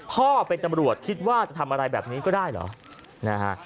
พ่อเป็นตำรวจคิดว่าจะทำอะไรแบบนี้ก็ได้เหรอนะฮะ